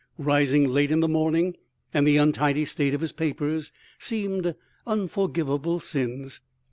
Rising late in the morning and the untidy state of his papers seemed unforgivable sins.